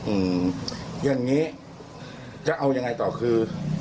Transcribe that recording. อืมอย่างงี้จะเอายังไงต่อคือ